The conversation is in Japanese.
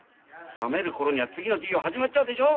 冷める頃には次の授業始まっちゃうでしょ。